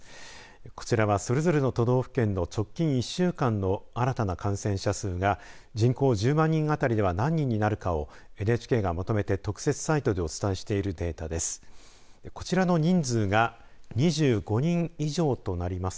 こちらはそれぞれの都道府県の直近１週間の新たな感染者数が人口１０万人あたりでは何人になるかをＮＨＫがまとめて特設サイトでお伝えしているデータです。